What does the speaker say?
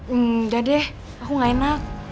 hmm udah deh aku gak enak